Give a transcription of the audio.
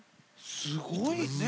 すごいね。